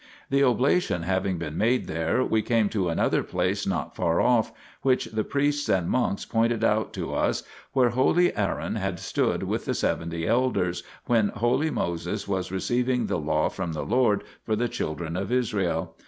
The oblation having been made there, we came to another place not far off, which the priests and monks pointed out to us, where holy Aaron had stood with the seventy elders, when holy Moses was receiving the law from the Lord for the children of Israel.